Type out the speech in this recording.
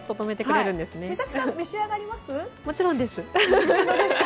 美沙希さん、召し上がりますか？